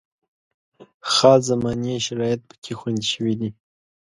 خاص زماني شرایط پکې خوندي شوي دي.